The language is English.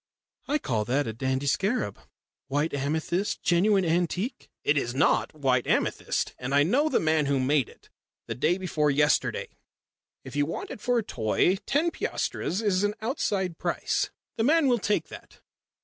I call that a dandy scarab. White amethyst. Genuine antique." "It is not white amethyst and I know the man who made it the day before yesterday. If you want it for a toy, ten piastres is an outside price. The man will take that."